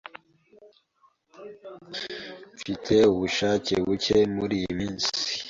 Mfite ubushake buke muriyi minsi.